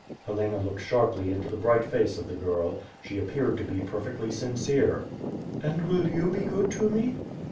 Helena looked sharply into the bright face of the girl. She appeared to be perfectly sincere. "And will you be good to me?"